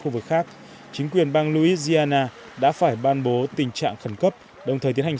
khu vực khác chính quyền bang louisiana đã phải ban bố tình trạng khẩn cấp đồng thời tiến hành